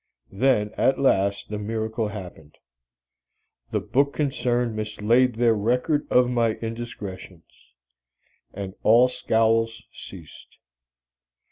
Then at last the miracle happened: the book concern mislaid their record of my indiscretions and all scowls ceased.